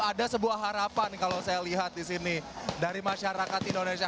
ada sebuah harapan kalau saya lihat di sini dari masyarakat indonesia